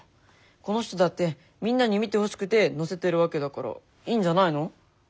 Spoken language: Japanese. この人だってみんなに見てほしくて載せてるわけだからいいんじゃないの？